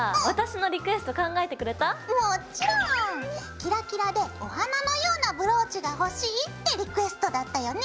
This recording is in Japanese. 「キラキラでお花のようなブローチが欲しい」ってリクエストだったよね。